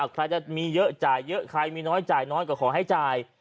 ใครจะมีเยอะจ่ายเยอะใครมีน้อยจ่ายน้อยก็ขอให้จ่าย